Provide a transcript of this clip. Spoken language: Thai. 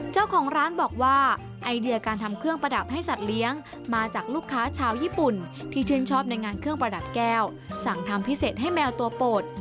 เจ้าของร้านบอกว่าไอเดียการทำเครื่องประดับให้สัตว์เลี้ยงมาจากลูกค้าชาวญี่ปุ่นที่ชื่นชอบในงานเครื่องประดับแก้วสั่งทำพิเศษให้แมวตัวโปรด